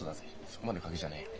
そこまでガキじゃねえよ。